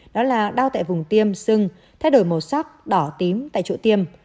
đó là đau tại vùng tiêm sưng thay đổi màu sắc đỏ tím tại chỗ tiêm